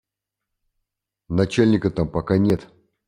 Начальника там пока нет.